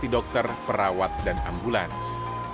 dokter perawat dan ambulans